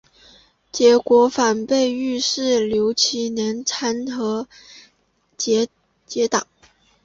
结果反被御史刘其年参劾结党。